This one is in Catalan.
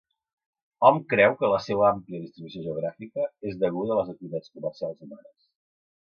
Hom creu que la seua àmplia distribució geogràfica és deguda a les activitats comercials humanes.